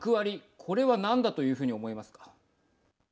これは何だというふうに思いますか。